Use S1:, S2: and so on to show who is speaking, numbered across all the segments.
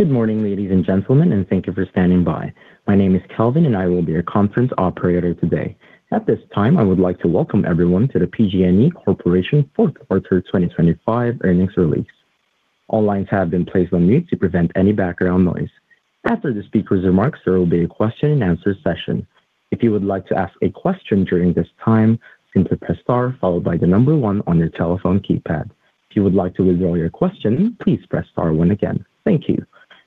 S1: Good morning, ladies and gentlemen, and thank you for standing by. My name is Calvin, and I will be your conference operator today. At this time, I would like to welcome everyone to the PG&E Corporation Fourth Quarter 2025 Earnings Release. All lines have been placed on mute to prevent any background noise. After the speakers' remarks, there will be a question-and-answer session. If you would like to ask a question during this time, simply press star followed by the number one on your telephone keypad. If you would like to withdraw your question, please press star one again. Thank you.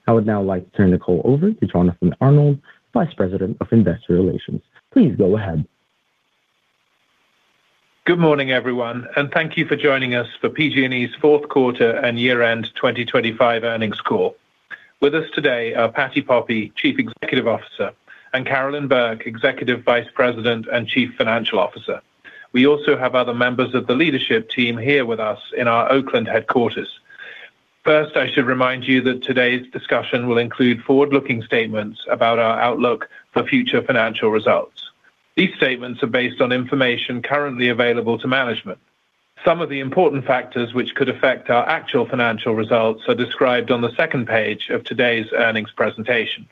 S1: I would now like to turn the call over to Jonathan Arnold, Vice President of Investor Relations. Please go ahead.
S2: Good morning, everyone, and thank you for joining us for PG&E's Fourth Quarter and Year-End 2025 Earnings Call. With us today are Patti Poppe, Chief Executive Officer, and Carolyn Burke, Executive Vice President and Chief Financial Officer. We also have other members of the leadership team here with us in our Oakland headquarters. First, I should remind you that today's discussion will include forward-looking statements about our outlook for future financial results. These statements are based on information currently available to management. Some of the important factors which could affect our actual financial results are described on the second page of today's earnings presentation.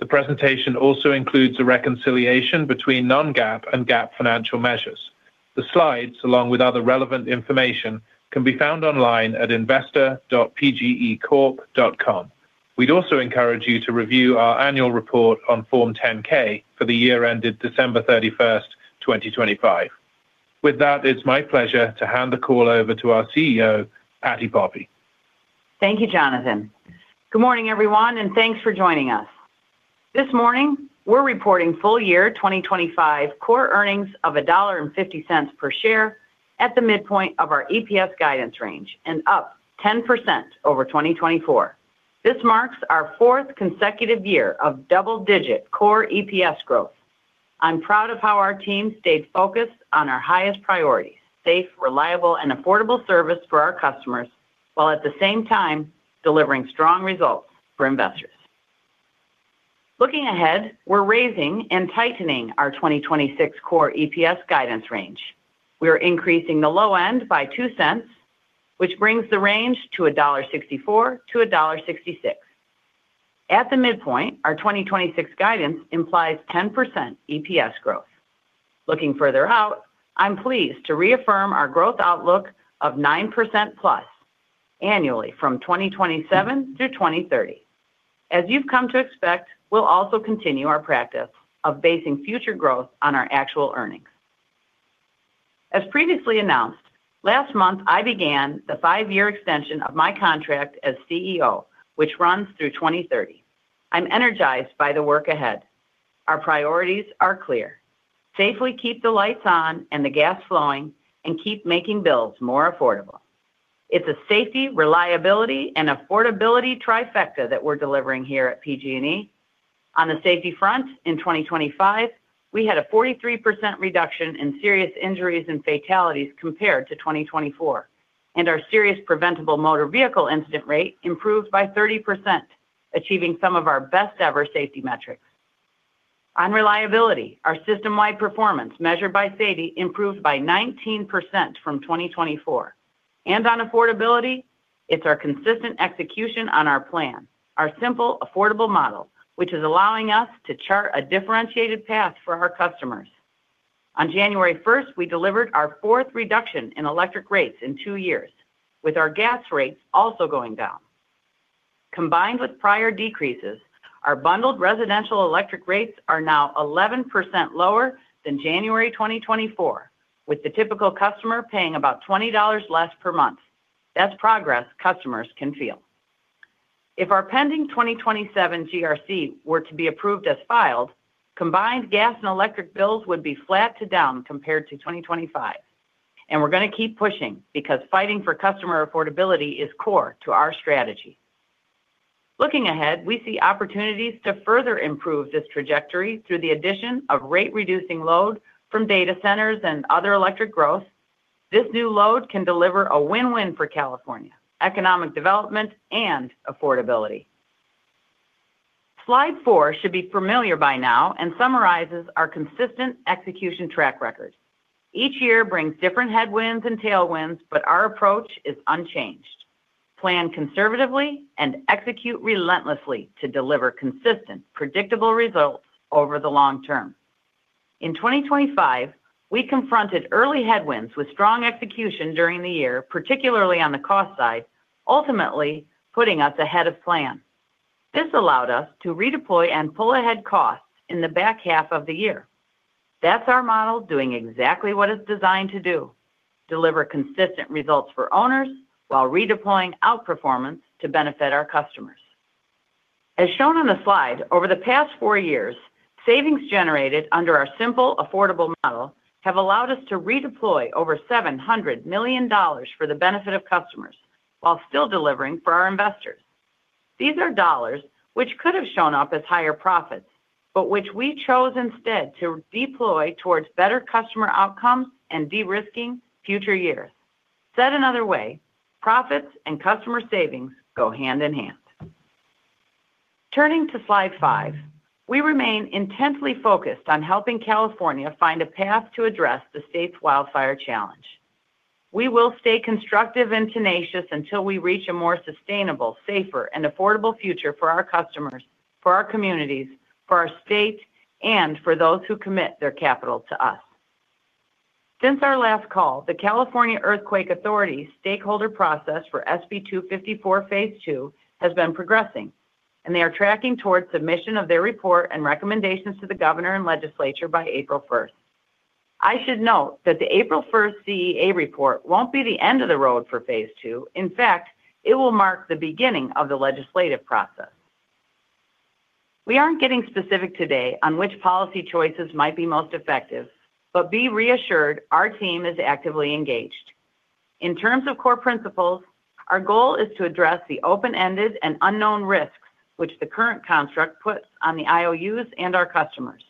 S2: The presentation also includes a reconciliation between non-GAAP and GAAP financial measures. The slides, along with other relevant information, can be found online at investor.pgecorp.com. We'd also encourage you to review our annual report on Form 10-K for the year ended December 31st, 2025.With that, it's my pleasure to hand the call over to our CEO, Patti Poppe.
S3: Thank you, Jonathan. Good morning, everyone, and thanks for joining us. This morning, we're reporting full-year 2025 core earnings of $1.50 per share at the midpoint of our EPS guidance range and up 10% over 2024. This marks our fourth consecutive year of double-digit core EPS growth. I'm proud of how our team stayed focused on our highest priorities: safe, reliable, and affordable service for our customers, while at the same time delivering strong results for investors. Looking ahead, we're raising and tightening our 2026 core EPS guidance range. We are increasing the low end by $0.02, which brings the range to $1.64-$1.66. At the midpoint, our 2026 guidance implies 10% EPS growth. Looking further out, I'm pleased to reaffirm our growth outlook of 9%+ annually from 2027 through 2030. As you've come to expect, we'll also continue our practice of basing future growth on our actual earnings. As previously announced, last month, I began the five-year extension of my contract as CEO, which runs through 2030. I'm energized by the work ahead. Our priorities are clear: safely keep the lights on and the gas flowing and keep making bills more affordable. It's a safety, reliability, and affordability trifecta that we're delivering here at PG&E. On the safety front, in 2025, we had a 43% reduction in serious injuries and fatalities compared to 2024, and our serious preventable motor vehicle incident rate improved by 30%, achieving some of our best-ever safety metrics. On reliability, our system-wide performance, measured by SAIDI, improved by 19% from 2024. And on affordability, it's our consistent execution on our plan, our simple, affordable model, which is allowing us to chart a differentiated path for our customers. On January 1st, we delivered our fourth reduction in electric rates in two years, with our gas rates also going down. Combined with prior decreases, our bundled residential electric rates are now 11% lower than January 2024, with the typical customer paying about $20 less per month. That's progress customers can feel. If our pending 2027 GRC were to be approved as filed, combined gas and electric bills would be flat to down compared to 2025. And we're going to keep pushing because fighting for customer affordability is core to our strategy. Looking ahead, we see opportunities to further improve this trajectory through the addition of rate-reducing load from data centers and other electric growth. This new load can deliver a win-win for California: economic development and affordability. Slide 4 should be familiar by now and summarizes our consistent execution track record. Each year brings different headwinds and tailwinds, but our approach is unchanged. Plan conservatively and execute relentlessly to deliver consistent, predictable results over the long term. In 2025, we confronted early headwinds with strong execution during the year, particularly on the cost side, ultimately putting us ahead of plan. This allowed us to redeploy and pull ahead costs in the back half of the year. That's our model doing exactly what it's designed to do: deliver consistent results for owners while redeploying outperformance to benefit our customers. As shown on the slide, over the past four years, savings generated under our simple, affordable model have allowed us to redeploy over $700 million for the benefit of customers while still delivering for our investors. These are dollars which could have shown up as higher profits, but which we chose instead to deploy towards better customer outcomes and de-risking future years. Said another way, profits and customer savings go hand in hand. Turning to slide five, we remain intensely focused on helping California find a path to address the state's wildfire challenge. We will stay constructive and tenacious until we reach a more sustainable, safer, and affordable future for our customers, for our communities, for our state, and for those who commit their capital to us. Since our last call, the California Earthquake Authority stakeholder process for SB 254 Phase 2, has been progressing, and they are tracking towards submission of their report and recommendations to the governor and legislature by April 1st. I should note that the April 1st CEA report won't be the end of the road for Phase 2. In fact, it will mark the beginning of the legislative process. We aren't getting specific today on which policy choices might be most effective, but be reassured our team is actively engaged. In terms of core principles, our goal is to address the open-ended and unknown risks which the current construct puts on the IOUs and our customers.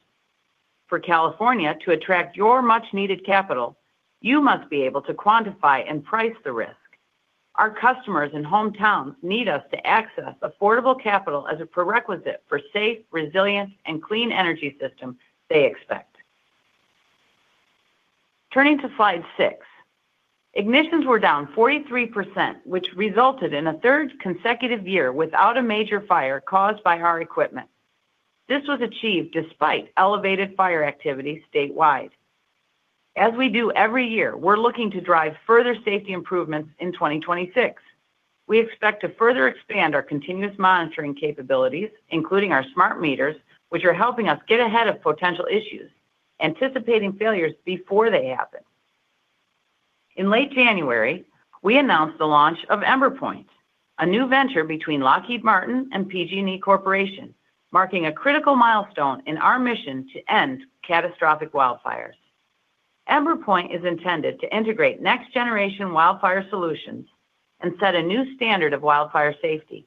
S3: For California to attract your much-needed capital, you must be able to quantify and price the risk. Our customers and hometowns need us to access affordable capital as a prerequisite for safe, resilient, and clean energy system they expect. Turning to Slide 6, ignitions were down 43%, which resulted in a third consecutive year without a major fire caused by our equipment. This was achieved despite elevated fire activity statewide. As we do every year, we're looking to drive further safety improvements in 2026. We expect to further expand our continuous monitoring capabilities, including our SmartMeters, which are helping us get ahead of potential issues, anticipating failures before they happen. In late January, we announced the launch of Emberpoint, a new venture between Lockheed Martin and PG&E Corporation, marking a critical milestone in our mission to end catastrophic wildfires. Emberpoint is intended to integrate next-generation wildfire solutions and set a new standard of wildfire safety.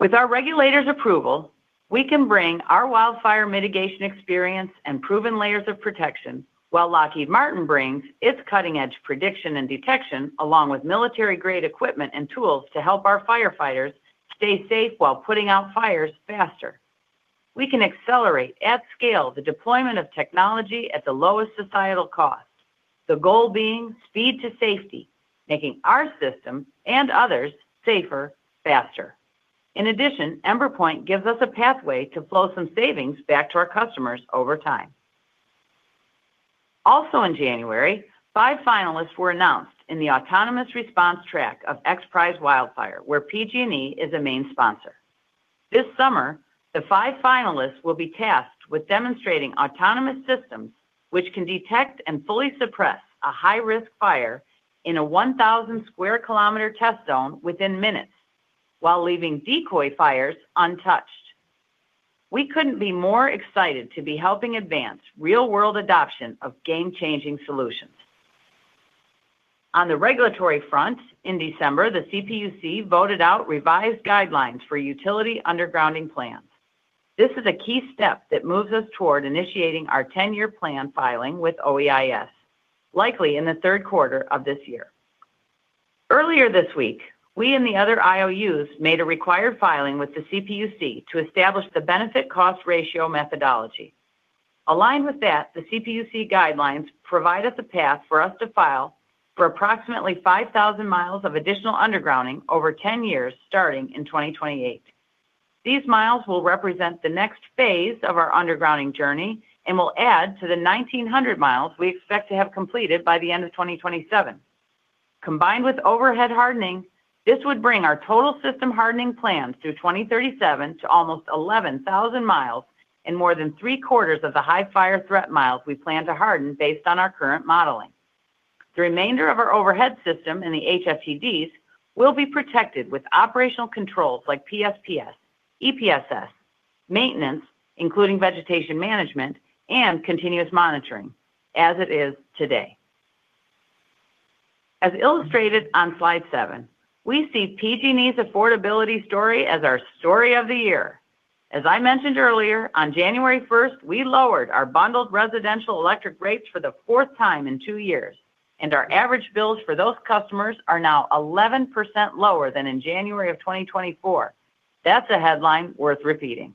S3: With our regulators' approval, we can bring our wildfire mitigation experience and proven layers of protection, while Lockheed Martin brings its cutting-edge prediction and detection, along with military-grade equipment and tools to help our firefighters stay safe while putting out fires faster. We can accelerate at scale the deployment of technology at the lowest societal cost. The goal being speed to safety, making our system and others safer, faster. In addition, Emberpoint gives us a pathway to flow some savings back to our customers over time. Also in January, five finalists were announced in the autonomous response track of XPRIZE Wildfire, where PG&E is a main sponsor. This summer, the five finalists will be tasked with demonstrating autonomous systems, which can detect and fully suppress a high-risk fire in a 1,000 sq km test zone within minutes, while leaving decoy fires untouched. We couldn't be more excited to be helping advance real-world adoption of game-changing solutions. On the regulatory front, in December, the CPUC voted out revised guidelines for utility undergrounding plans. This is a key step that moves us toward initiating our 10-year plan filing with OEIS, likely in the third quarter of this year. Earlier this week, we and the other IOUs made a required filing with the CPUC to establish the benefit-cost ratio methodology. Aligned with that, the CPUC guidelines provide us a path for us to file for approximately 5,000 mi of additional undergrounding over 10 years, starting in 2028. These miles will represent the next phase of our undergrounding journey and will add to the 1,900 mi we expect to have completed by the end of 2027. Combined with overhead hardening, this would bring our total system hardening plans through 2037 to almost 11,000 mi and more than three-quarters of the high fire threat miles we plan to harden based on our current modeling. The remainder of our overhead system in the HFTDs will be protected with operational controls like PSPS, EPSS, maintenance, including vegetation management and continuous monitoring, as it is today. As illustrated on Slide 7, we see PG&E's affordability story as our story of the year. As I mentioned earlier, on January 1st, we lowered our bundled residential electric rates for the fourth time in two years, and our average bills for those customers are now 11% lower than in January of 2024. That's a headline worth repeating.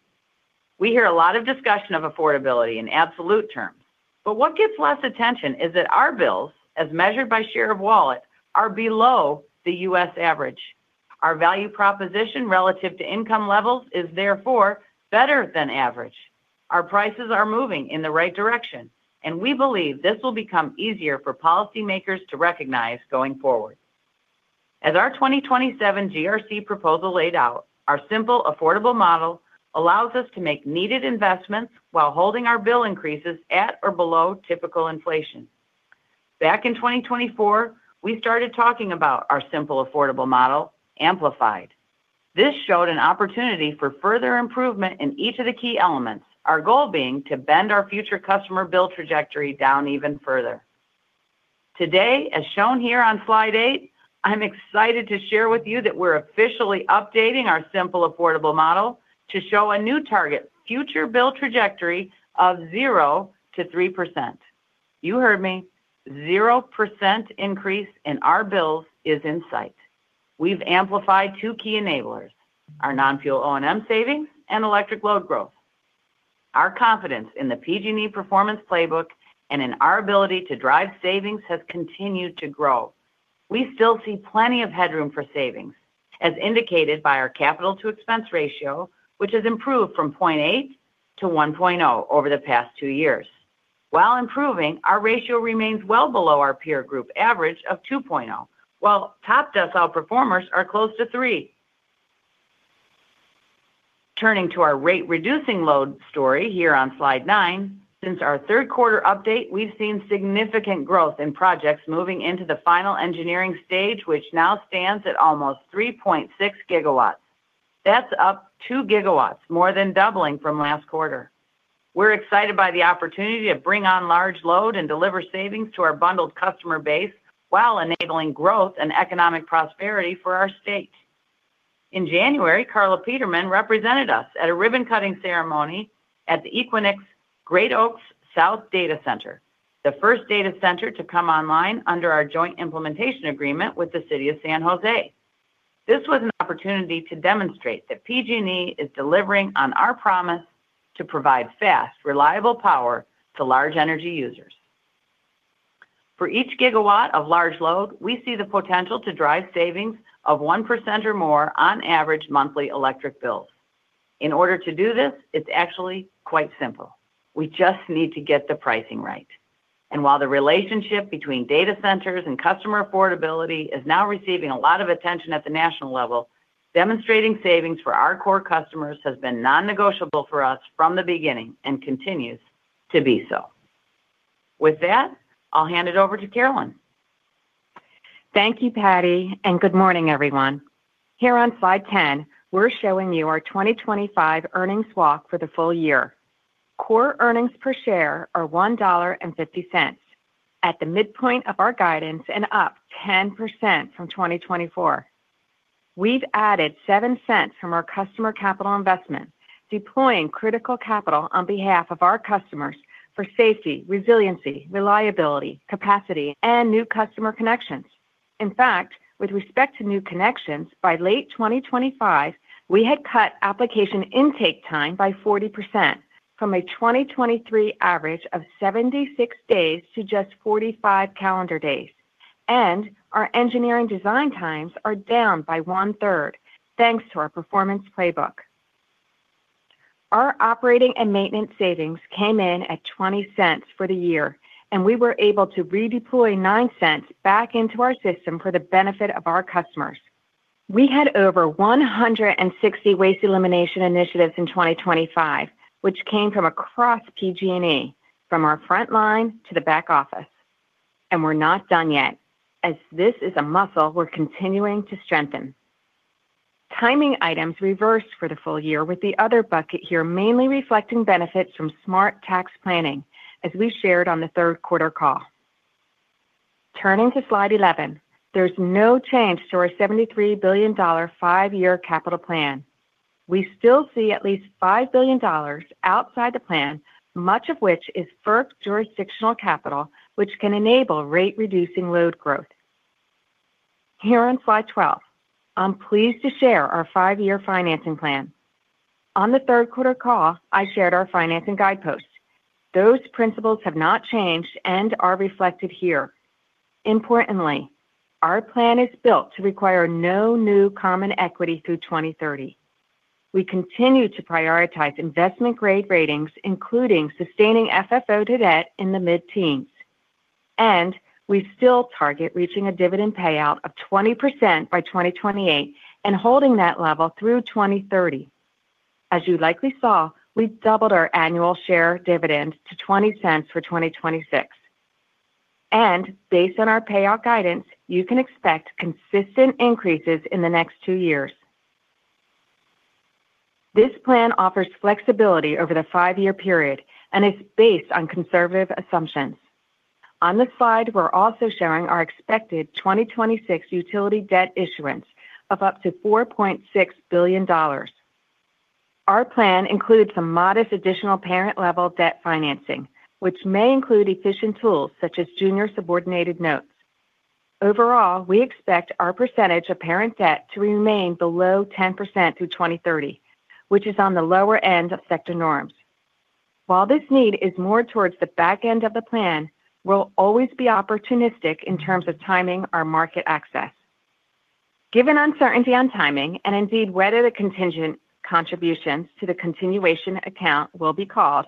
S3: We hear a lot of discussion of affordability in absolute terms, but what gets less attention is that our bills, as measured by share of wallet, are below the U.S. average. Our value proposition relative to income levels is therefore better than average. Our prices are moving in the right direction, and we believe this will become easier for policymakers to recognize going forward. As our 2027 GRC proposal laid out, our simple, affordable model allows us to make needed investments while holding our bill increases at or below typical inflation. Back in 2024, we started talking about our simple, affordable model amplified. This showed an opportunity for further improvement in each of the key elements, our goal being to bend our future customer bill trajectory down even further. Today, as shown here on Slide 8, I'm excited to share with you that we're officially updating our simple, affordable model to show a new target future bill trajectory of 0%-3%. You heard me, 0% increase in our bills is in sight. We've amplified two key enablers, our non-fuel O&M savings and electric load growth. Our confidence in the PG&E performance playbook and in our ability to drive savings has continued to grow. We still see plenty of headroom for savings as indicated by our capital to expense ratio, which has improved from 0.8x to 1.0x over the past two years. While improving, our ratio remains well below our peer group average of 2.0x, while top decile performers are close to 3x. Turning to our rate, reducing load story here on Slide 9. Since our third quarter update, we've seen significant growth in projects moving into the final engineering stage, which now stands at almost 3.6 GW. That's up 2 GW, more than doubling from last quarter. We're excited by the opportunity to bring on large load and deliver savings to our bundled customer base, while enabling growth and economic prosperity for our state. In January, Carla Peterman represented us at a ribbon-cutting ceremony at the Equinix Great Oaks South Data Center, the first data center to come online under our joint implementation agreement with the City of San Jose. This was an opportunity to demonstrate that PG&E is delivering on our promise to provide fast, reliable power to large energy users. For each gigawatt of large load, we see the potential to drive savings of 1% or more on average monthly electric bills. In order to do this, it's actually quite simple. We just need to get the pricing right. While the relationship between data centers and customer affordability is now receiving a lot of attention at the national level, demonstrating savings for our core customers has been non-negotiable for us from the beginning and continues to be so. With that, I'll hand it over to Carolyn.
S4: Thank you, Patti, and good morning, everyone. Here on Slide 10, we're showing you our 2025 earnings walk for the full year. Core earnings per share are $1.50 at the midpoint of our guidance and up 10% from 2024. We've added $0.07 from our customer capital investment, deploying critical capital on behalf of our customers for safety, resiliency, reliability, capacity, and new customer connections. In fact, with respect to new connections, by late 2025, we had cut application intake time by 40%, from a 2023 average of 76 days to just 45 calendar days, and our engineering design times are down by one-third, thanks to our performance playbook. Our operating and maintenance savings came in at $0.20 for the year, and we were able to redeploy $0.09 back into our system for the benefit of our customers. We had over 160 waste elimination initiatives in 2025, which came from across PG&E, from our front line to the back office, and we're not done yet as this is a muscle we're continuing to strengthen. Timing items reversed for the full year, with the other bucket here mainly reflecting benefits from smart tax planning, as we shared on the third quarter call. Turning to Slide 11, there's no change to our $73 billion five-year capital plan. We still see at least $5 billion outside the plan, much of which is FERC jurisdictional capital, which can enable rate-reducing load growth. Here on Slide 12, I'm pleased to share our five-year financing plan. On the third quarter call, I shared our financing guideposts. Those principles have not changed and are reflected here. Importantly, our plan is built to require no new common equity through 2030. We continue to prioritize investment-grade ratings, including sustaining FFO to debt in the mid-teens, and we still target reaching a dividend payout of 20% by 2028 and holding that level through 2030. As you likely saw, we've doubled our annual share dividend to $0.20 for 2026. Based on our payout guidance, you can expect consistent increases in the next two years. This plan offers flexibility over the five-year period and is based on conservative assumptions. On this slide, we're also sharing our expected 2026 utility debt issuance of up to $4.6 billion. Our plan includes some modest additional parent-level debt financing, which may include efficient tools such as Junior Subordinated Notes. Overall, we expect our percentage of parent debt to remain below 10% through 2030, which is on the lower end of sector norms. While this need is more towards the back end of the plan, we'll always be opportunistic in terms of timing our market access. Given uncertainty on timing and indeed whether the contingent contributions to the continuation account will be called,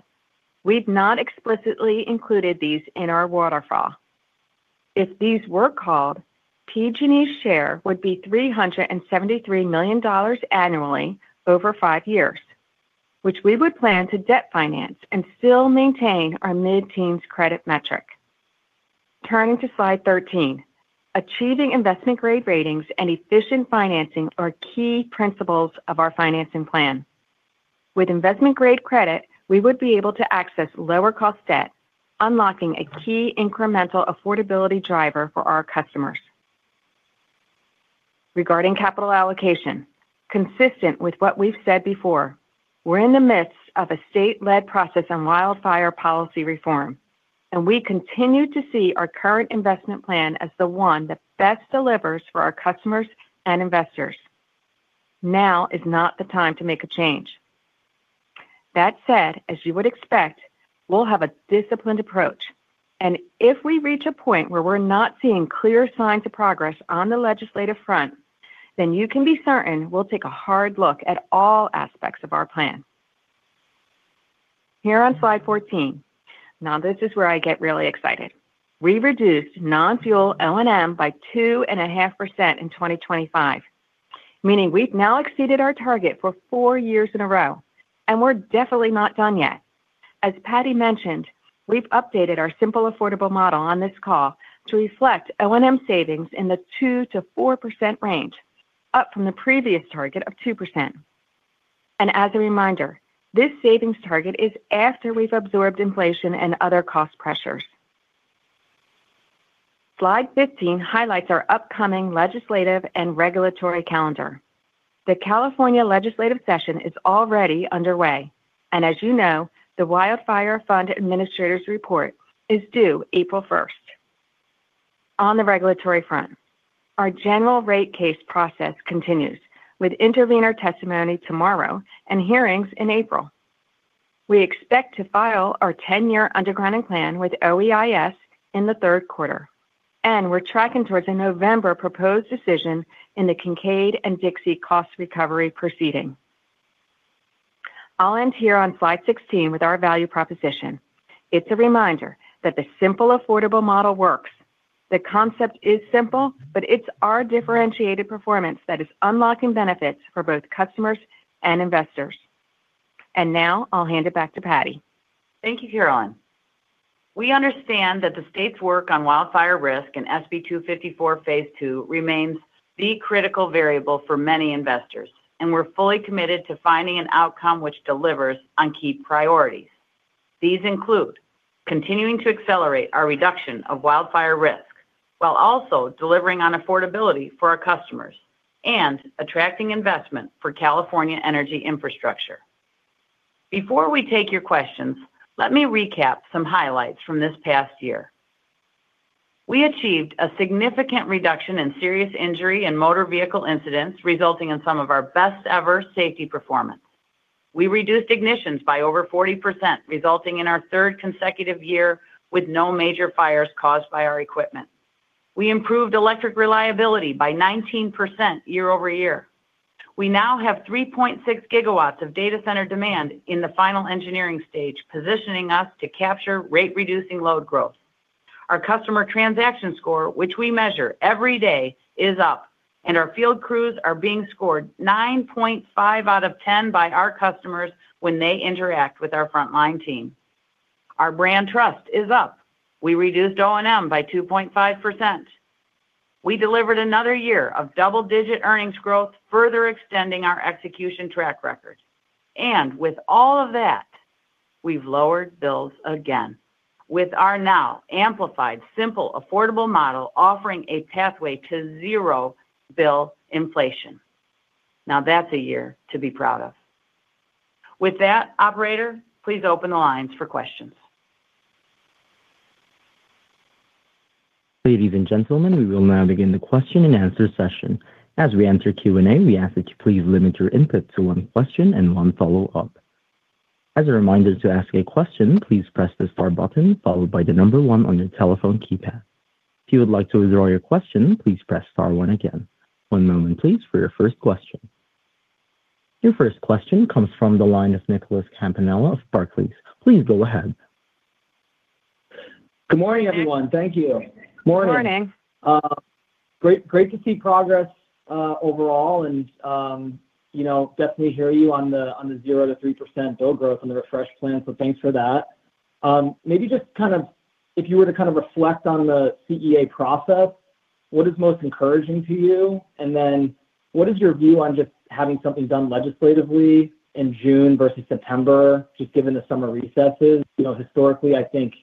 S4: we've not explicitly included these in our waterfall. If these were called, PG&E's share would be $373 million annually over five years, which we would plan to debt finance and still maintain our mid-teens credit metric. Turning to Slide 13. Achieving investment-grade ratings and efficient financing are key principles of our financing plan. With investment-grade credit, we would be able to access lower-cost debt, unlocking a key incremental affordability driver for our customers. Regarding capital allocation consistent with what we've said before, we're in the midst of a state-led process on wildfire policy reform, and we continue to see our current investment plan as the one that best delivers for our customers and investors. Now is not the time to make a change. That said, as you would expect, we'll have a disciplined approach, and if we reach a point where we're not seeing clear signs of progress on the legislative front, then you can be certain we'll take a hard look at all aspects of our plan. Here on Slide 14, now, this is where I get really excited. We reduced non-fuel O&M by 2.5% in 2025, meaning we've now exceeded our target for 4 years in a row, and we're definitely not done yet. As Patti mentioned, we've updated our simple, affordable model on this call to reflect O&M savings in the 2%-4% range, up from the previous target of 2%. As a reminder, this savings target is after we've absorbed inflation and other cost pressures. Slide 15 highlights our upcoming legislative and regulatory calendar. The California legislative session is already underway, and as you know, the Wildfire Fund Administrator's report is due April 1st. On the regulatory front, our general rate case process continues, with intervener testimony tomorrow and hearings in April. We expect to file our 10-year underground plan with OEIS in the third quarter, and we're tracking towards a November proposed decision in the Kincade and Dixie cost recovery proceeding. I'll end here on Slide 16 with our value proposition. It's a reminder that the simple, affordable model works. The concept is simple, but it's our differentiated performance that is unlocking benefits for both customers and investors. And now I'll hand it back to Patti.
S3: Thank you, Carolyn. We understand that the state's work on wildfire risk and SB 254 Phase 2 remains the critical variable for many investors, and we're fully committed to finding an outcome which delivers on key priorities. These include continuing to accelerate our reduction of wildfire risk, while also delivering on affordability for our customers and attracting investment for California energy infrastructure. Before we take your questions, let me recap some highlights from this past year. We achieved a significant reduction in serious injury and motor vehicle incidents, resulting in some of our best-ever safety performance. We reduced ignitions by over 40%, resulting in our third consecutive year with no major fires caused by our equipment. We improved electric reliability by 19% year-over-year. We now have 3.6 GW of data center demand in the final engineering stage, positioning us to capture rate-reducing load growth. Our customer transaction score, which we measure every day, is up, and our field crews are being scored 9.5 out of 10 by our customers when they interact with our frontline team. Our brand trust is up. We reduced O&M by 2.5%. We delivered another year of double-digit earnings growth, further extending our execution track record, and with all of that, we've lowered bills again with our now amplified, simple, affordable model, offering a pathway to zero bill inflation. Now, that's a year to be proud of. With that, operator, please open the lines for questions.
S1: Ladies and gentlemen, we will now begin the question-and-answer session. As we enter Q&A, we ask that you please limit your input to one question and one follow-up. As a reminder, to ask a question, please press the star button followed by the number one on your telephone keypad. If you would like to withdraw your question, please press star one again. One moment, please, for your first question. Your first question comes from the line of Nicholas Campanella of Barclays. Please go ahead.
S5: Good morning, everyone. Thank you.
S3: Good morning.
S5: Great, great to see progress overall, and you know, definitely hear you on the 0%-3% bill growth and the refresh plan. So thanks for that. Maybe just kind of if you were to kind of reflect on the CEA process, what is most encouraging to you? And then what is your view on just having something done legislatively in June versus September, just given the summer recesses? You know, historically, I think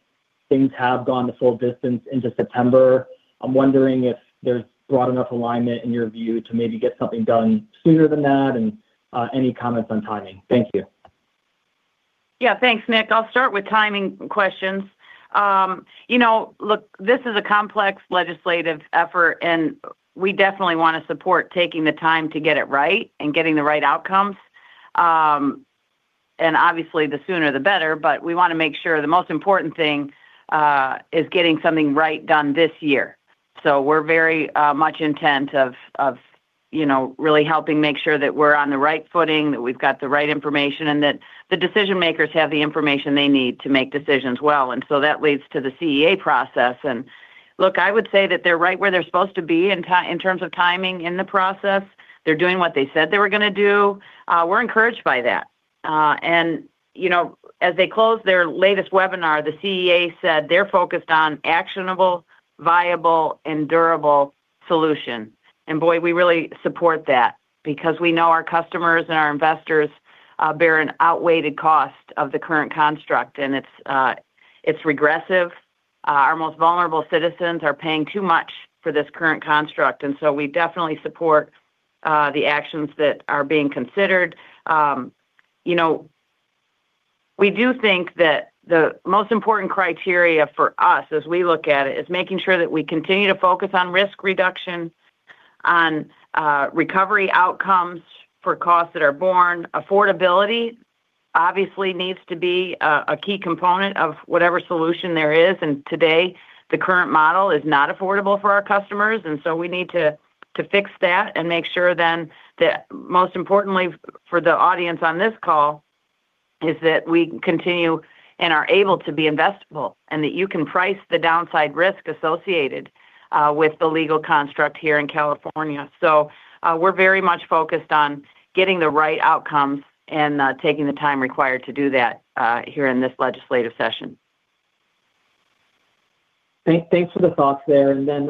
S5: things have gone the full distance into September. I'm wondering if there's broad enough alignment in your view to maybe get something done sooner than that and any comments on timing? Thank you.
S3: Yeah, thanks, Nick. I'll start with timing questions. You know, look, this is a complex legislative effort, and we definitely want to support taking the time to get it right and getting the right outcomes. And obviously, the sooner the better, but we want to make sure the most important thing is getting something right done this year. So we're very much intent of, you know, really helping make sure that we're on the right footing, that we've got the right information, and that the decision-makers have the information they need to make decisions well. And so that leads to the CEA process. And look, I would say that they're right where they're supposed to be in terms of timing in the process. They're doing what they said they were going to do. We're encouraged by that. And, you know, as they closed their latest webinar, the CEA said they're focused on actionable, viable, and durable solution. And boy, we really support that because we know our customers and our investors bear an outweighed cost of the current construct, and it's, it's regressive. Our most vulnerable citizens are paying too much for this current construct, and so we definitely support the actions that are being considered. You know, we do think that the most important criteria for us as we look at it is making sure that we continue to focus on risk reduction, on recovery outcomes for costs that are born. Affordability, obviously needs to be a key component of whatever solution there is, and today, the current model is not affordable for our customers, and so we need to fix that and make sure then that most importantly for the audience on this call, is that we continue and are able to be investable, and that you can price the downside risk associated with the legal construct here in California. So, we're very much focused on getting the right outcomes and taking the time required to do that here in this legislative session.
S5: Thanks, thanks for the thoughts there. And then,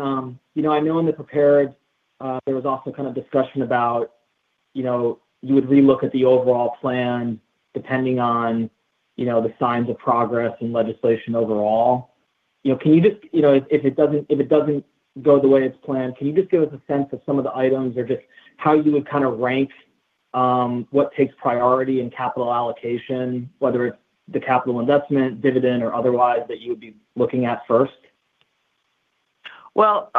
S5: you know, I know in the prepared, there was also kind of discussion about, you know, you would relook at the overall plan depending on, you know, the signs of progress and legislation overall. You know, can you just-- You know, if it doesn't go the way it's planned, can you just give us a sense of some of the items or just how you would kind of rank what takes priority in capital allocation, whether it's the capital investment, dividend, or otherwise, that you'd be looking at first?
S3: Well,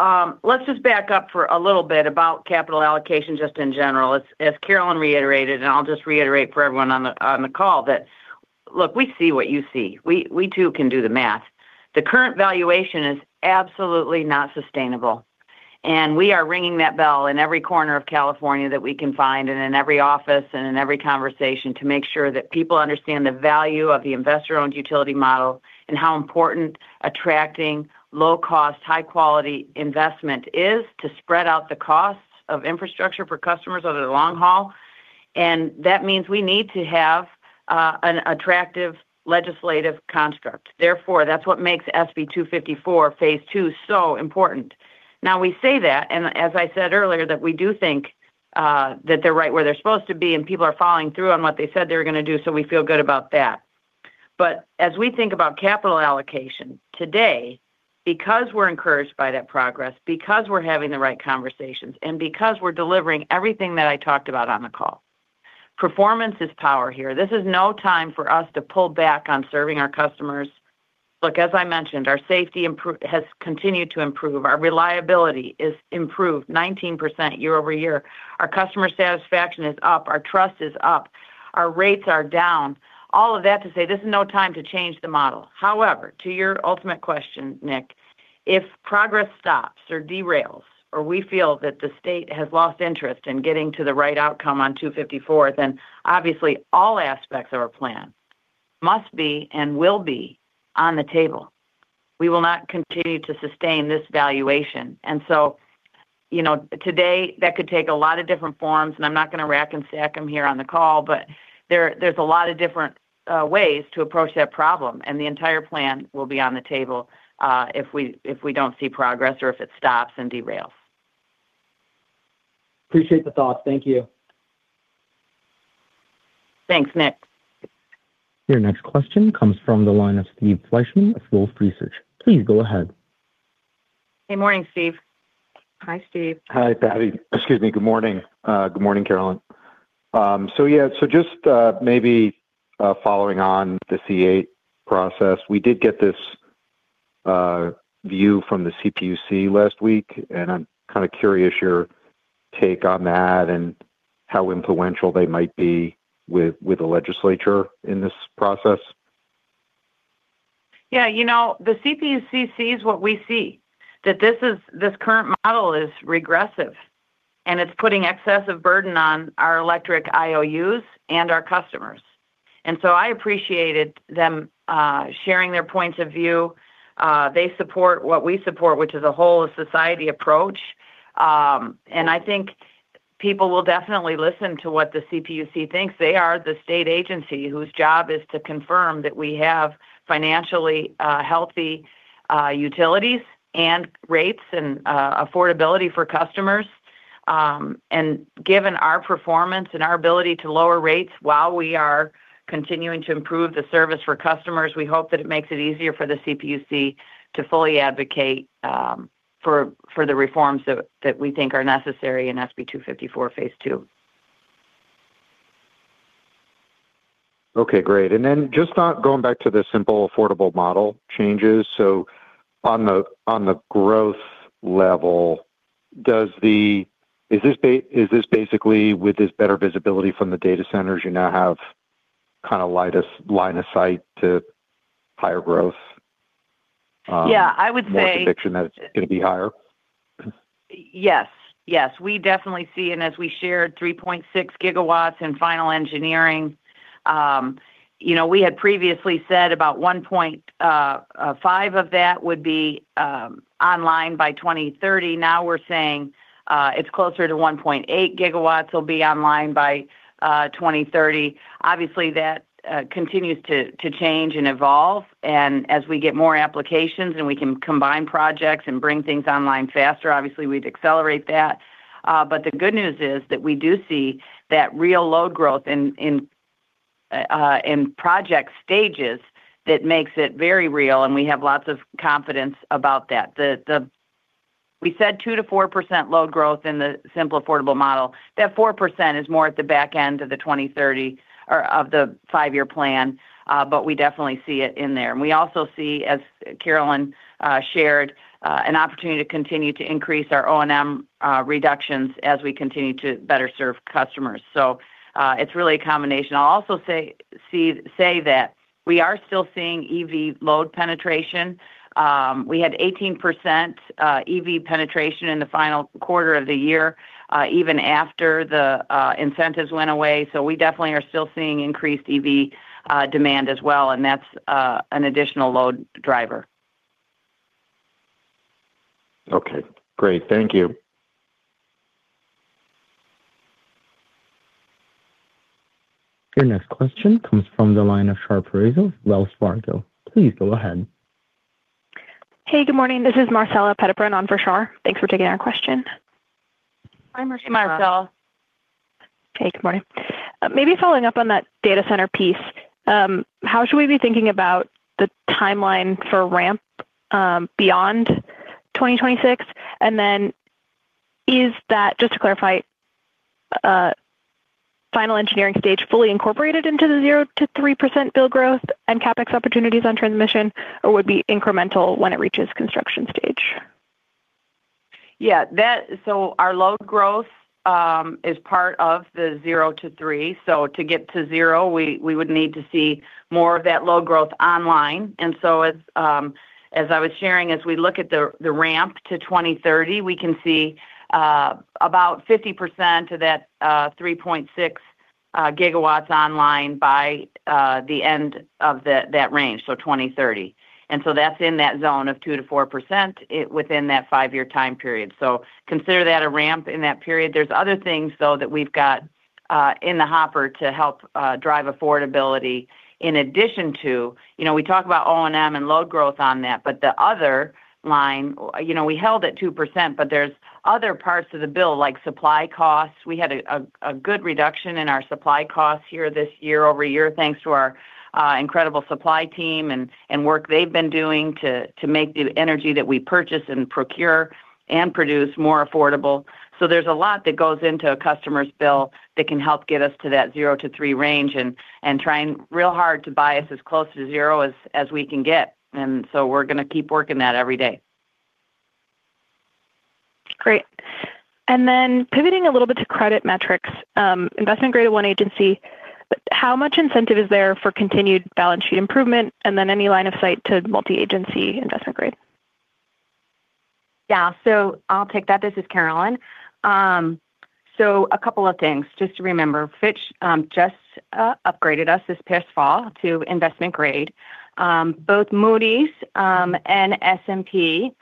S3: let's just back up for a little bit about capital allocation, just in general. As, as Carolyn reiterated, and I'll just reiterate for everyone on the, on the call, that look, we see what you see. We, we too, can do the math. The current valuation is absolutely not sustainable, and we are ringing that bell in every corner of California that we can find and in every office and in every conversation to make sure that people understand the value of the investor-owned utility model, and how important attracting low-cost, high-quality investment is to spread out the costs of infrastructure for customers over the long haul. And that means we need to have an attractive legislative construct. Therefore, that's what makes SB 254 Phase 2 so important. Now, we say that, and as I said earlier, that we do think that they're right where they're supposed to be, and people are following through on what they said they were going to do, so we feel good about that. But as we think about capital allocation, today, because we're encouraged by that progress, because we're having the right conversations, and because we're delivering everything that I talked about on the call, performance is power here. This is no time for us to pull back on serving our customers. Look, as I mentioned, our safety has continued to improve. Our reliability is improved 19% year-over-year. Our customer satisfaction is up, our trust is up, our rates are down. All of that to say, this is no time to change the model. However, to your ultimate question, Nick, if progress stops or derails or we feel that the state has lost interest in getting to the right outcome on 254, then obviously all aspects of our plan must be and will be on the table. We will not continue to sustain this valuation. And so, you know, today, that could take a lot of different forms, and I'm not going to rack and stack them here on the call, but there, there's a lot of different ways to approach that problem, and the entire plan will be on the table, if we, if we don't see progress or if it stops and derails.
S5: Appreciate the thought. Thank you.
S3: Thanks, Nick.
S1: Your next question comes from the line of Steve Fleishman of Wolfe Research. Please go ahead.
S3: Good morning, Steve.
S4: Hi, Steve.
S6: Hi, Patti. Excuse me. Good morning. Good morning, Carolyn. So yeah, so just maybe following on the CEA process, we did get this view from the CPUC last week, and I'm kind of curious your take on that and how influential they might be with the legislature in this process.
S3: Yeah, you know, the CPUC sees what we see, that this current model is regressive, and it's putting excessive burden on our electric IOUs and our customers. And so I appreciated them sharing their points of view. They support what we support, which is a whole society approach. And I think people will definitely listen to what the CPUC thinks. They are the state agency whose job is to confirm that we have financially healthy utilities and rates and affordability for customers. And given our performance and our ability to lower rates while we are continuing to improve the service for customers, we hope that it makes it easier for the CPUC to fully advocate for the reforms that we think are necessary in SB 254 Phase 2.
S6: Okay, great. Then just not going back to the simple, affordable model changes. So on the growth level, does this basically with this better visibility from the data centers, you now have kind of line of sight to higher growth?
S3: Yeah, I would say...
S6: More conviction that it's going to be higher?
S3: Yes. Yes, we definitely see, and as we shared, 3.6 GW in final engineering, you know, we had previously said about 1.5 GW of that would be online by 2030. Now, we're saying it's closer to 1.8 GW will be online by 2030. Obviously, that continues to change and evolve. And as we get more applications and we can combine projects and bring things online faster, obviously we'd accelerate that. But the good news is that we do see that real load growth in project stages that makes it very real, and we have lots of confidence about that. We said 2%-4% load growth in the simple, affordable model. That 4% is more at the back end of the 2030 or of the five-year plan, but we definitely see it in there. And we also see, as Carolyn shared, an opportunity to continue to increase our O&M reductions as we continue to better serve customers. So, it's really a combination. I'll also say that we are still seeing EV load penetration. We had 18% EV penetration in the final quarter of the year, even after the incentives went away. So we definitely are still seeing increased EV demand as well, and that's an additional load driver.
S6: Okay, great. Thank you.
S1: Your next question comes from the line of Shar Pourreza, Wells Fargo. Please go ahead.
S7: Hey, good morning. This is Marcella Petiprin onfor Shar. Thanks for taking our question.
S3: Hi, Marcella.
S4: Hi, Marcella.
S7: Hey, good morning. Maybe following up on that data center piece, how should we be thinking about the timeline for ramp beyond 2026? And then is that, just to clarify, final engineering stage fully incorporated into the 0%-3% bill growth and CapEx opportunities on transmission, or would be incremental when it reaches construction stage?
S3: Yeah, that so our load growth is part of the 0%-3%. So to get to 0%, we would need to see more of that load growth online. And so as I was sharing, as we look at the ramp to 2030, we can see about 50% of that 3.6 GW online by the end of that range, so 2030. And so that's in that zone of 2%-4% within that five-year time period. So consider that a ramp in that period. There's other things, though, that we've got in the hopper to help drive affordability. In addition to...You know, we talk about O&M and load growth on that, but the other line, you know, we held at 2%, but there's other parts to the bill, like supply costs. We had a good reduction in our supply costs here this year-over-year, thanks to our incredible supply team and work they've been doing to make the energy that we purchase and procure and produce more affordable. So there's a lot that goes into a customer's bill that can help get us to that 0%-3% range and trying real hard to get us as close to zero as we can get. And so we're going to keep working that every day.
S7: Great. Then pivoting a little bit to credit metrics, investment-grade 1 agency, how much incentive is there for continued balance sheet improvement, and then any line of sight to multi-agency investment grade?
S4: Yeah. So I'll take that. This is Carolyn. So a couple of things just to remember. Fitch just upgraded us this past fall to investment grade. Both Moody's and S&P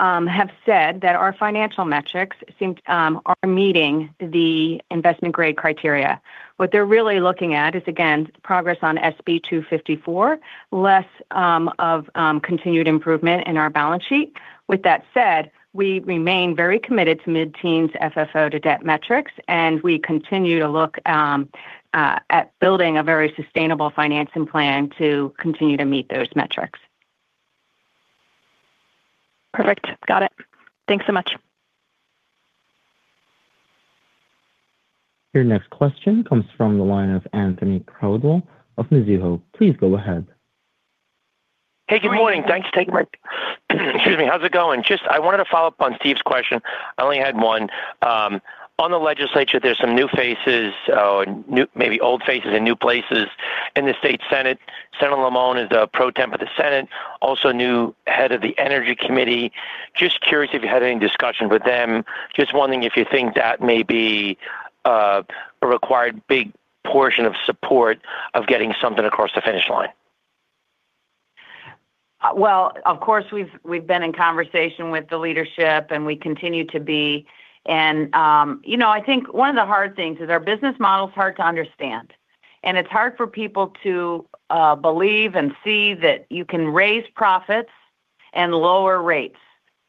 S4: have said that our financial metrics seem are meeting the investment grade criteria. What they're really looking at is, again, progress on SB 254, less of continued improvement in our balance sheet. With that said, we remain very committed to mid-teens FFO to debt metrics, and we continue to look at building a very sustainable financing plan to continue to meet those metrics.
S7: Perfect. Got it. Thanks so much.
S1: Your next question comes from the line of Anthony Crowdell of Mizuho. Please go ahead.
S8: Hey, good morning. Thanks for taking my-- Excuse me. How's it going? Just I wanted to follow up on Steve's question. I only had one. On the legislature, there's some new faces, new-- maybe old faces and new places in the state senate. Senator Limón is the Pro Tem of the Senate, also new head of the Energy Committee. Just curious if you had any discussion with them. Just wondering if you think that may be, a required big portion of support of getting something across the finish line.
S3: Well, of course, we've been in conversation with the leadership, and we continue to be. You know, I think one of the hard things is our business model is hard to understand, and it's hard for people to believe and see that you can raise profits and lower rates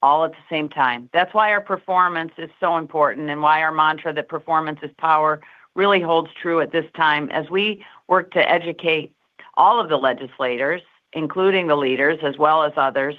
S3: all at the same time. That's why our performance is so important and why our mantra that performance is power really holds true at this time. As we work to educate all of the legislators, including the leaders as well as others,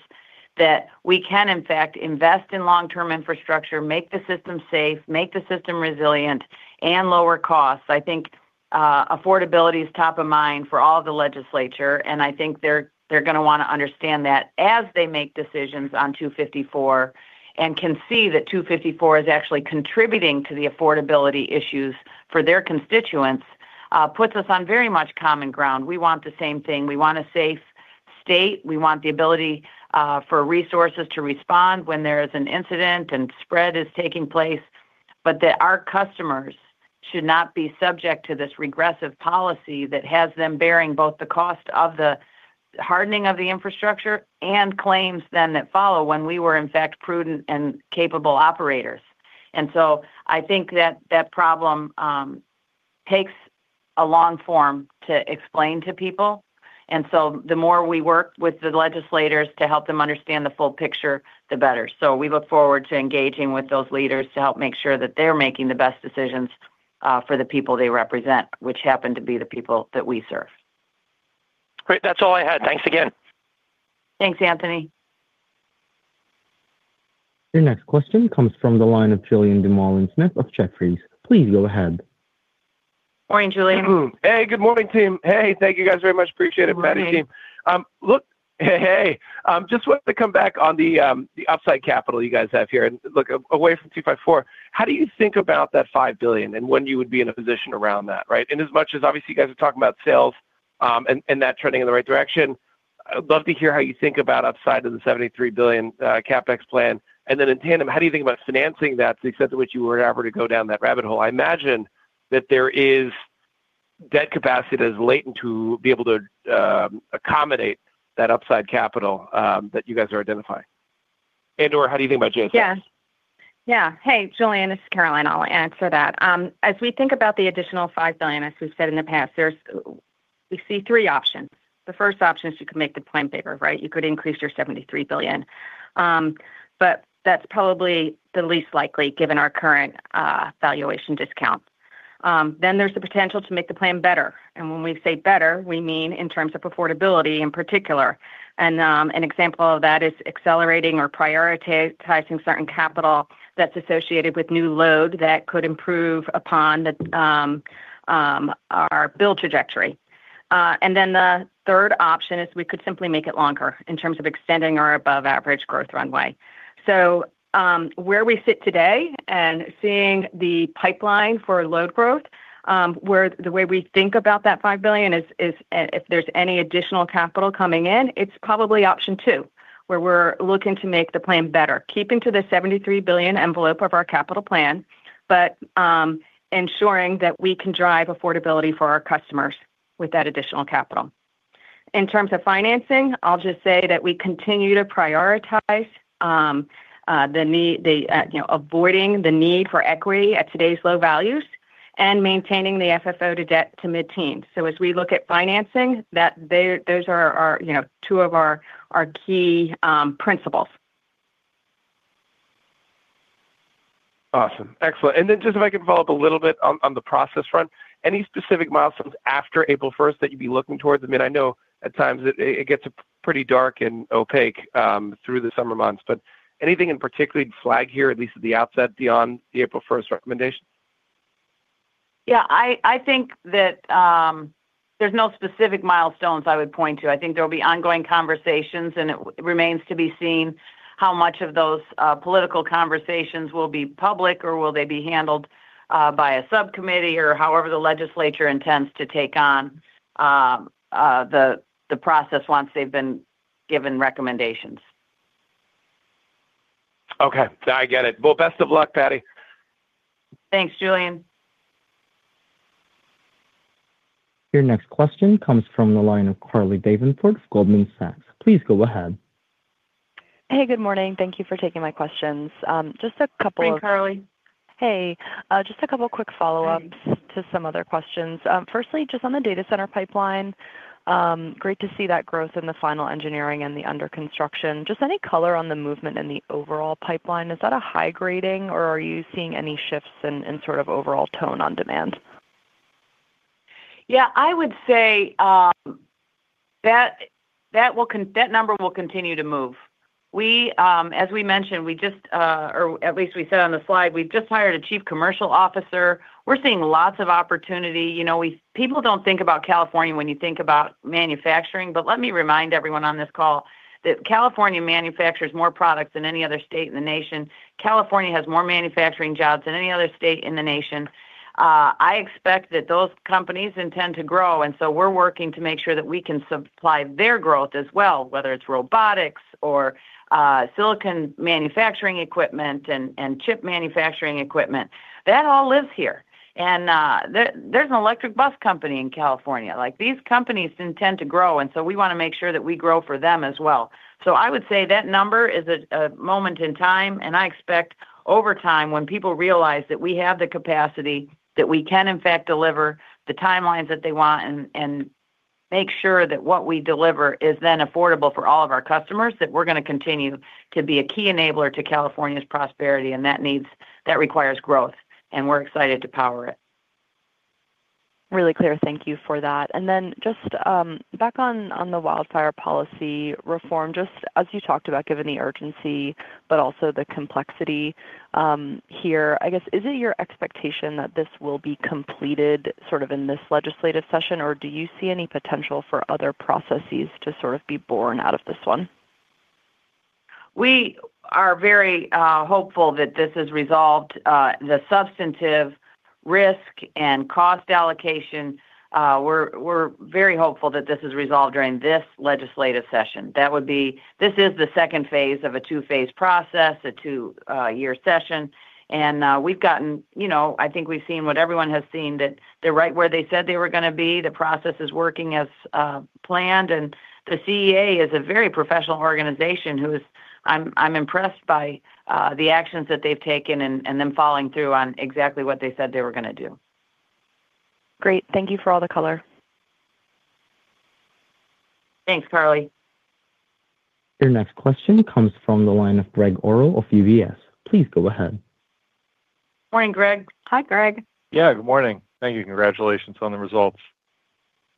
S3: that we can in fact invest in long-term infrastructure, make the system safe, make the system resilient, and lower costs. I think affordability is top of mind for all the legislature, and I think they're going to want to understand that as they make decisions on 254 and can see that 254 is actually contributing to the affordability issues for their constituents, puts us on very much common ground. We want the same thing. We want a safe state. We want the ability for resources to respond when there is an incident and spread is taking place, but that our customers should not be subject to this regressive policy that has them bearing both the cost of the hardening of the infrastructure and claims then that follow when we were in fact prudent and capable operators. And so I think that that problem takes a long form to explain to people. The more we work with the legislators to help them understand the full picture, the better. We look forward to engaging with those leaders to help make sure that they're making the best decisions for the people they represent, which happen to be the people that we serve.
S8: Great. That's all I had. Thanks again.
S3: Thanks, Anthony.
S1: Your next question comes from the line of Julien Dumoulin-Smith of Jefferies. Please go ahead.
S3: Morning, Julien.
S9: Hey, good morning, team. Hey, thank you, guys, very much. Appreciate it, Patti team. Look, hey, just wanted to come back on the, the upside capital you guys have here. And look, away from 254, how do you think about that $5 billion and when you would be in a position around that, right? And as much as obviously, you guys are talking about sales, and, and that trending in the right direction, I'd love to hear how you think about upside of the $73 billion, CapEx plan. And then in tandem, how do you think about financing that to the extent to which you were ever to go down that rabbit hole? I imagine that there is debt capacity that is latent to be able to accommodate that upside capital, that you guys are identifying. And/or how do you think about JSN?
S4: Yeah. Yeah. Hey, Julien, this is Carolyn. I'll answer that. As we think about the additional $5 billion, as we've said in the past, we see three options. The first option is you can make the plan bigger, right? You could increase your $73 billion, but that's probably the least likely, given our current valuation discount. Then there's the potential to make the plan better. And when we say better, we mean in terms of affordability, in particular. And an example of that is accelerating or prioritizing certain capital that's associated with new load that could improve upon our build trajectory. And then the third option is we could simply make it longer in terms of extending our above-average growth runway. So, where we sit today and seeing the pipeline for load growth, where the way we think about that $5 billion is, if there's any additional capital coming in, it's probably option two, where we're looking to make the plan better, keeping to the $73 billion envelope of our capital plan, but ensuring that we can drive affordability for our customers with that additional capital. In terms of financing, I'll just say that we continue to prioritize the need, you know, avoiding the need for equity at today's low values and maintaining the FFO to debt to mid-teens. So as we look at financing, that, there, those are our, you know, two of our, our key principles.
S9: Awesome. Excellent. And then just if I could follow up a little bit on, on the process front, any specific milestones after April 1st that you'd be looking towards? I mean, I know at times it, it gets pretty dark and opaque, through the summer months, but anything in particular you'd flag here, at least at the outset, beyond the April 1st recommendation?
S3: Yeah, I think that there's no specific milestones I would point to. I think there will be ongoing conversations, and it remains to be seen how much of those political conversations will be public, or will they be handled by a subcommittee or however the legislature intends to take on the process once they've been given recommendations.
S9: Okay, I get it. Well, best of luck, Patti.
S3: Thanks, Julien.
S1: Your next question comes from the line of Carly Davenport, Goldman Sachs. Please go ahead.
S10: Hey, good morning. Thank you for taking my questions. Just a couple of...
S3: Hey, Carly.
S10: Hey, just a couple quick follow-ups to some other questions. Firstly, just on the data center pipeline, great to see that growth in the final engineering and the under construction. Just any color on the movement in the overall pipeline, is that a high grading, or are you seeing any shifts in sort of overall tone on demand?
S3: Yeah, I would say, that number will continue to move. We, as we mentioned, we just, or at least we said on the slide, we've just hired a Chief Commercial Officer. We're seeing lots of opportunity. You know, we—people don't think about California when you think about manufacturing, but let me remind everyone on this call that California manufactures more products than any other state in the nation. California has more manufacturing jobs than any other state in the nation. I expect that those companies intend to grow, and so we're working to make sure that we can supply their growth as well, whether it's robotics or, silicon manufacturing equipment and, and chip manufacturing equipment. That all lives here. And, there's an electric bus company in California. Like, these companies intend to grow, and so we want to make sure that we grow for them as well. So I would say that number is a moment in time, and I expect over time, when people realize that we have the capacity, that we can, in fact, deliver the timelines that they want and make sure that what we deliver is then affordable for all of our customers, that we're going to continue to be a key enabler to California's prosperity, and that needs- that requires growth, and we're excited to power it.
S10: Really clear. Thank you for that. And then just back on the wildfire policy reform, just as you talked about, given the urgency but also the complexity, here, I guess, is it your expectation that this will be completed sort of in this legislative session, or do you see any potential for other processes to sort of be born out of this one?
S3: We are very hopeful that this is resolved, the substantive risk and cost allocation, we're, we're very hopeful that this is resolved during this legislative session. That would be-- This is the second phase of a two-phase process, a two-year session, and we've gotten, you know, I think we've seen what everyone has seen, that they're right where they said they were going to be. The process is working as planned, and the CEA is a very professional organization who is—I'm impressed by the actions that they've taken and then following through on exactly what they said they were going to do.
S10: Great. Thank you for all the color.
S3: Thanks, Carly.
S1: Your next question comes from the line of Gregg Orrill of UBS. Please go ahead.
S3: Morning, Greg.
S4: Hi, Greg.
S11: Yeah, good morning. Thank you. Congratulations on the results.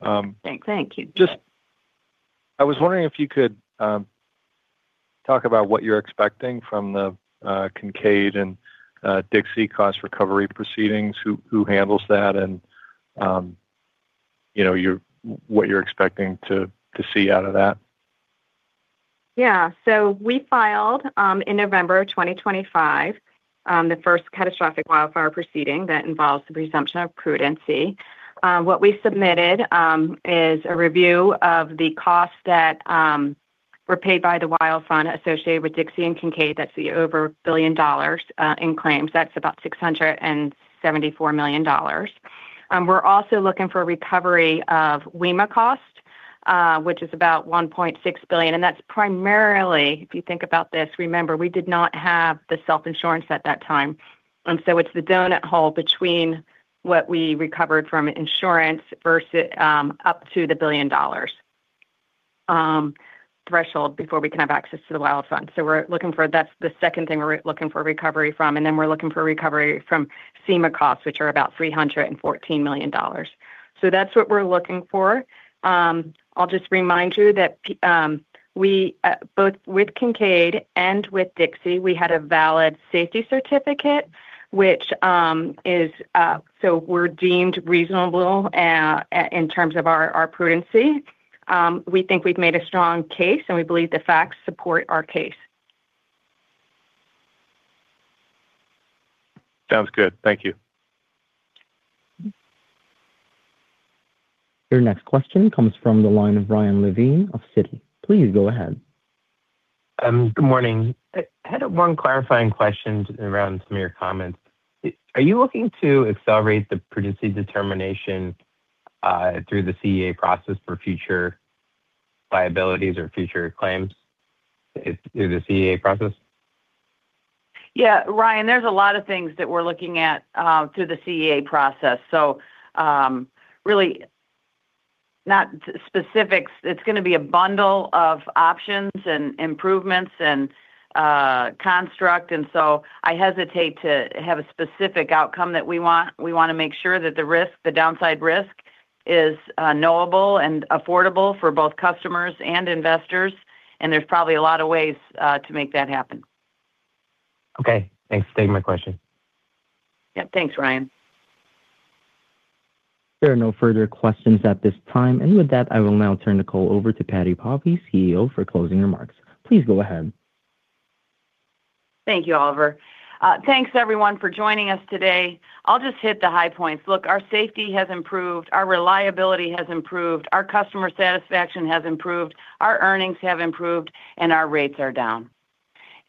S3: Thank, thank you.
S11: Just I was wondering if you could talk about what you're expecting from the Kincade and Dixie cost recovery proceedings. Who handles that? And you know what you're expecting to see out of that?
S4: Yeah. So we filed in November 2025 the first catastrophic wildfire proceeding that involves the presumption of prudency. What we submitted is a review of the costs that were paid by the Wildfire Fund associated with Dixie and Kincade. That's over $1 billion in claims. That's about $674 million. We're also looking for recovery of WEMA costs, which is about $1.6 billion, and that's primarily, if you think about this, remember, we did not have the self-insurance at that time. And so it's the donut hole between what we recovered from insurance versus up to the $1 billion threshold before we can have access to the Wildfire Fund. So we're looking for-- That's the second thing we're looking for recovery from, and then we're looking for recovery from CEMA costs, which are about $314 million. So that's what we're looking for. I'll just remind you that we both with Kincade and with Dixie, we had a valid safety certificate, which is so we're deemed reasonable in terms of our prudency. We think we've made a strong case, and we believe the facts support our case.
S11: Sounds good. Thank you.
S1: Your next question comes from the line of Ryan Levine of Citi. Please go ahead.
S12: Good morning. I had one clarifying question around some of your comments. Are you looking to accelerate the prudence determination through the CEA process for future liabilities or future claims through the CEA process?
S3: Yeah, Ryan, there's a lot of things that we're looking at through the CEA process. So, really not specifics. It's gonna be a bundle of options and improvements and construct, and so I hesitate to have a specific outcome that we want. We want to make sure that the risk, the downside risk, is knowable and affordable for both customers and investors, and there's probably a lot of ways to make that happen.
S12: Okay. Thanks for taking my question.
S3: Yep. Thanks, Ryan.
S1: There are no further questions at this time. With that, I will now turn the call over to Patti Poppe, CEO, for closing remarks. Please go ahead.
S3: Thank you, Calvin. Thanks, everyone, for joining us today. I'll just hit the high points. Look, our safety has improved, our reliability has improved, our customer satisfaction has improved, our earnings have improved, and our rates are down.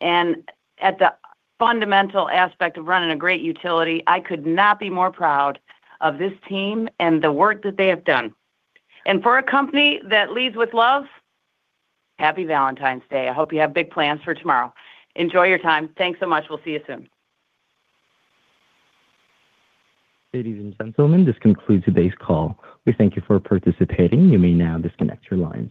S3: At the fundamental aspect of running a great utility, I could not be more proud of this team and the work that they have done. For a company that leads with love, Happy Valentine's Day. I hope you have big plans for tomorrow. Enjoy your time. Thanks so much. We'll see you soon.
S1: Ladies and gentlemen, this concludes today's call. We thank you for participating. You may now disconnect your lines.